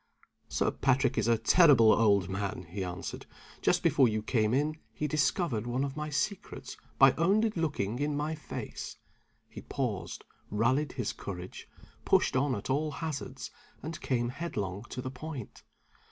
"Sir Patrick is a terrible old man," he answered. "Just before you came in he discovered one of my secrets by only looking in my face." He paused, rallied his courage, pushed on at all hazards, and came headlong to the point.